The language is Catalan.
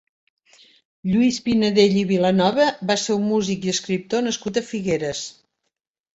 Lluís Pinadell i Vilanova va ser un músic i escriptor nascut a Figueres.